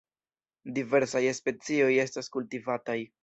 Diversaj specioj estas kultivataj.